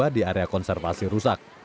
kewanan lembah di area konservasi rusak